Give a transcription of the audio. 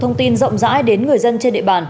thông tin rộng rãi đến người dân trên địa bàn